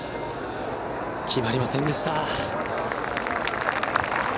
決まりませんでした。